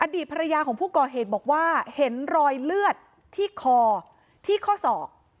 อดีตภรรยาของผู้ก่อเหตุบอกว่าเห็นรอยเลือดที่คอที่ข้อศอก